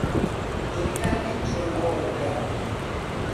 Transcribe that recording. دڵنیا نیم چۆن ئەوە بکەم.